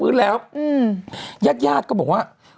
ดื่มน้ำก่อนสักนิดใช่ไหมคะคุณพี่